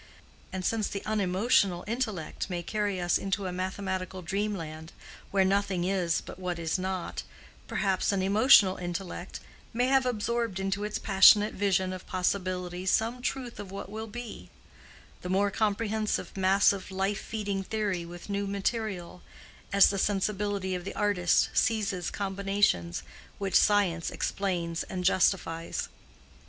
And since the unemotional intellect may carry us into a mathematical dreamland where nothing is but what is not, perhaps an emotional intellect may have absorbed into its passionate vision of possibilities some truth of what will be—the more comprehensive massive life feeding theory with new material, as the sensibility of the artist seizes combinations which science explains and justifies.